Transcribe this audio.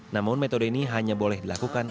namun metode ini hanya boleh dilakukan